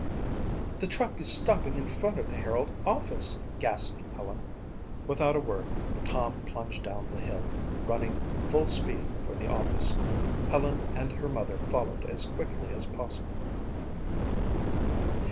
"The truck is stopping in front of the Herald office!" gasped Helen. Without a word Tom plunged down the hill, running full speed for the office. Helen and her mother followed as quickly as possible.